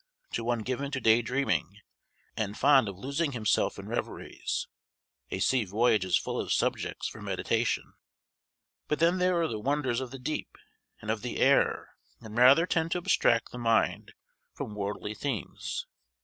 To one given to day dreaming, and fond of losing himself in reveries, a sea voyage is full of subjects for meditation; but then they are the wonders of the deep and of the air, and rather tend to abstract the mind from worldly themes.